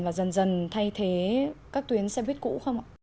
và dần dần thay thế các tuyến xe buýt cũ không ạ